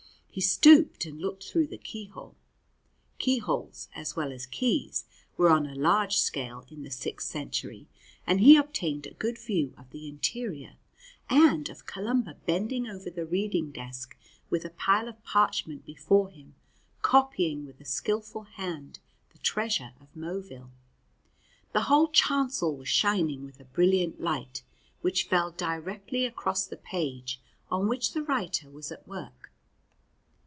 He stooped and looked through the keyhole. Keyholes as well as keys were on a large scale in the sixth century, and he obtained a good view of the interior, and of Columba bending over the reading desk with a pile of parchment before him, copying with skilful hand the treasure of Moville. The whole chancel was shining with a brilliant light which fell directly across the page on which the writer was at work.